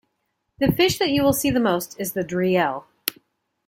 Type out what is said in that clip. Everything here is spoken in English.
The fish that you will see the most, is the "Driel".